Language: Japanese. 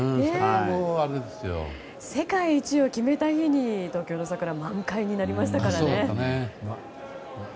世界一を決めた日に東京の桜が満開になりましたからね。